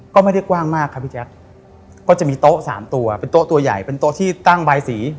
ก็ไม่ได้กว้างมากครับพี่แจ๊คก็จะมีโต๊ะสามตัวเป็นโต๊ะตัวใหญ่เป็นโต๊ะที่ตั้งบายสี